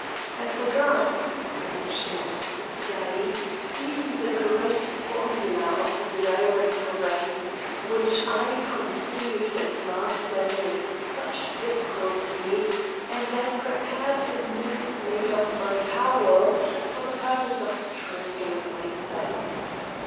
I forgot I am ashamed to say even the great formula of the iron grate, which I conceived and mastered with such difficulty, and I prepared a noose made of my towel for the purpose of strangling myself.